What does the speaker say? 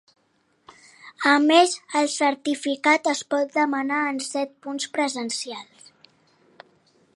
A més, el certificat es pot demanar en set punts presencials.